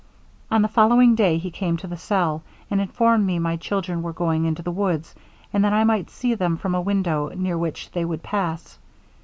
'On the following day he came to the cell, and informed me my children were going into the woods, and that I might see them from a window near which they would pass.